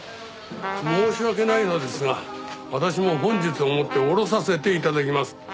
申し訳ないのですが私も本日をもって降ろさせて頂きます。